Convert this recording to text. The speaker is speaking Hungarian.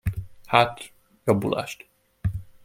Hát, jobbulást.